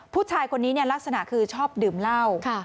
ผู้ชายคนนี้ลักษณะคือชอบดื่มเหล้า